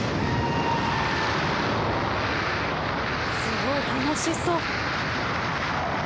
すごい楽しそう。